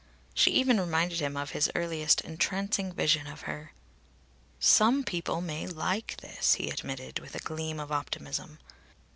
She even reminded him of his earliest entrancing vision of her. "Some people may like this!" he admitted, with a gleam of optimism.